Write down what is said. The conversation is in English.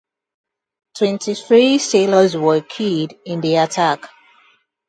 Twenty-three sailors were killed in the attack.